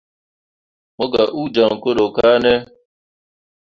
Mo gah uu jaŋ koro kane.